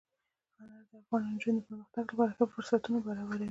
انار د افغان نجونو د پرمختګ لپاره ښه فرصتونه برابروي.